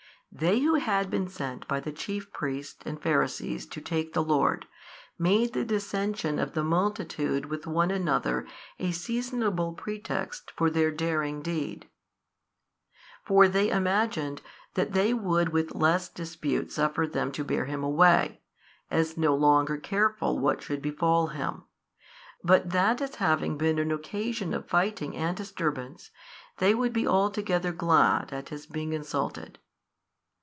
They who had been sent by the chief priests and Pharisees to take the Lord, made the dissension of the multitude with one another a seasonable pretext for their daring deed. For they imagined that they would with less dispute suffer them to bear Him away, as no longer careful what should befall Him, but that as having been an occasion of fighting and disturbance, they would be altogether glad at His being insulted.